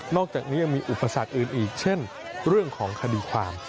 อกจากนี้ยังมีอุปสรรคอื่นอีกเช่นเรื่องของคดีความ